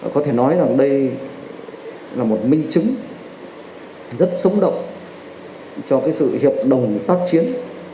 có thể nói rằng đây là một minh chứng rất sống động cho cái sự hiệp đồng tác chiến